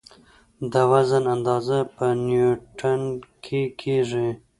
د وزن اندازه په نیوټن کې کېږي.